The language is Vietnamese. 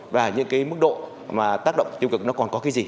và những cái mức độ mà tác động tiêu cực nó còn có cái gì